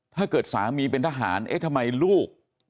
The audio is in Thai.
ถ้าเกิดสามีเป็นทหารเอ๊ะทำไมลูก